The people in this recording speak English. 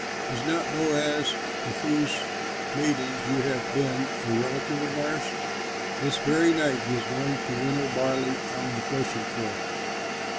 Is not Boaz, with whose maidens you have been, a relative of ours? This very night he is going to winnow barley on the threshing floor.